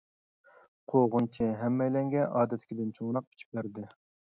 قوغۇنچى ھەممەيلەنگە ئادەتتىكىدىن چوڭراقتىن پىچىپ بەردى.